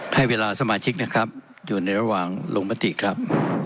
ให้เวลาสมาชิกนะครับอยู่ในระหว่างลงมติครับ